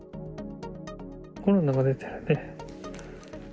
コロナが出てるね。